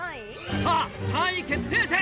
さぁ３位決定戦！